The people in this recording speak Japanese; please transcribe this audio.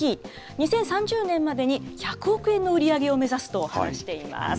２０３０年までに１００億円の売り上げを目指すと話しています。